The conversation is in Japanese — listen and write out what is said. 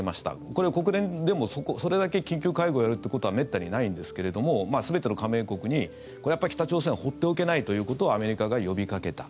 これは国連でも、それだけ緊急会合をやるってことはめったにないんですけれども全ての加盟国にこれはやっぱり、北朝鮮は放っておけないということをアメリカが呼びかけた。